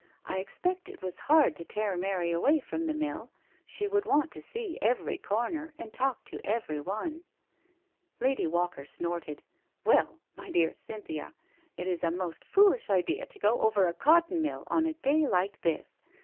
I expect it was hard to tear Mary away from the mill — she would want to see every corner and talk to everyone." Lady Walker snorted: "Well, my dear Cynthia, it is a most foolish idea to go over a cotton mill on a day like this.